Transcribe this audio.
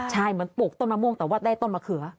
ใช่เหมือนปลูกต้นมะม่วงแต่ว่าได้ต้นมะเขือ